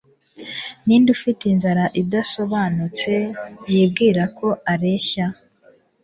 Ninde ufite inzara idasobanutse yibwiraga ko areshya